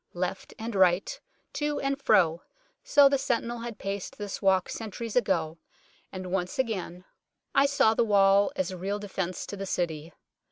Left and right, to and fro, so the sentinel had paced this walk centuries ago, and once again I 26 UNKNOWN LONDON saw the wall as a real defence of the City.